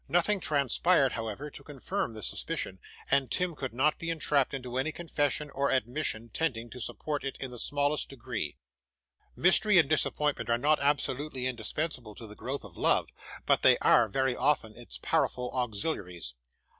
Nothing transpired, however, to confirm this suspicion, and Tim could not be entrapped into any confession or admission tending to support it in the smallest degree. Mystery and disappointment are not absolutely indispensable to the growth of love, but they are, very often, its powerful auxiliaries.